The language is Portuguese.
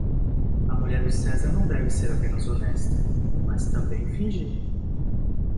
A mulher do César não deve ser apenas honesta, mas também fingir.